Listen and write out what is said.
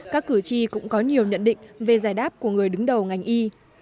các cử tri cũng có nhiều nhận định về giải đáp của người đứng đầu ngành y